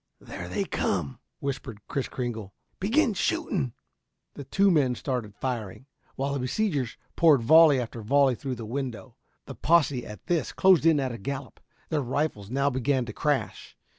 "There they come," whispered Kris Kringle. "Begin shooting!" The two men started firing, while the besiegers poured volley after volley through the window. The posse at this, closed in at a gallop. Their rifles now began to crash.